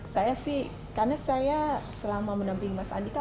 saya sih karena saya selama menamping mas andika